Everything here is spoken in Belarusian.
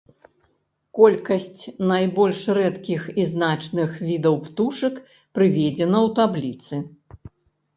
Колькасць найбольш рэдкіх і значных відаў птушак прыведзена ў табліцы.